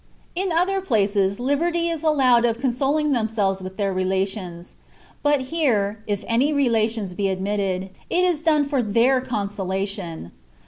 In other places, liberty is allowed of consoling themselves with their relations : but here, if any relations be admitted, it is done for their consolation.